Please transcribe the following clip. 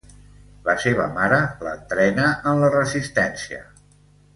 La seva mare l'entrena en la resistència.